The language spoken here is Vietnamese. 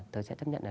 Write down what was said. tớ sẽ chấp nhận là